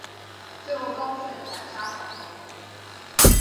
最后高顺斩杀郝萌。